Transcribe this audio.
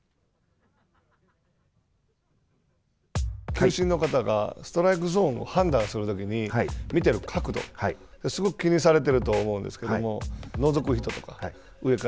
球審の方がストライクゾーンを判断するときに見てる角度、すごく気にされていると思うんですけれどものぞく人とか、上から。